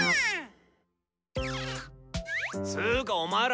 つーかお前ら！